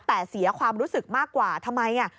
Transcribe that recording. แต่เสียความรู้สึกมากกว่าทำไม